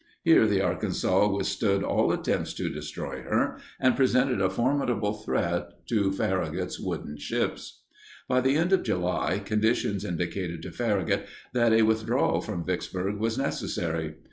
Here the Arkansas withstood all attempts to destroy her and presented a formidable threat to Farragut's wooden ships. By the end of July, conditions indicated to Farragut that a withdrawal from Vicksburg was necessary.